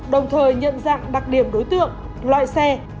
đồng thời nhận dạng đặc điểm đối tượng loại xe